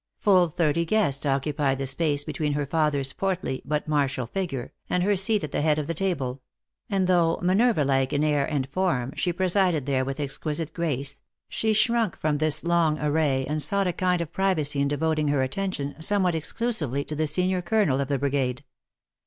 Full thirty guests occupied the space between her fathers portly, but martial h gure, and her seat at the head of the table ; and though, Minerva like in air and form, she presided there with exquisite grace, she shrunk from this long array, and sought a kind of privacy in devoting her attention, somewhat exclu sively, to the senior colonel of the brigade.